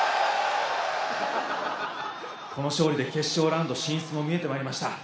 この勝利で決勝ラウンド進出も見えてまいりました。